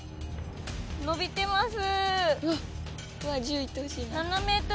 伸びてます。